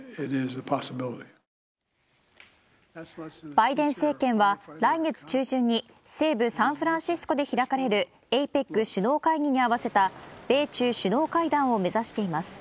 バイデン政権は、来月中旬に西部サンフランシスコで開かれるＡＰＥＣ首脳会議に合わせた米中首脳会談を目指しています。